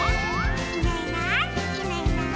「いないいないいないいない」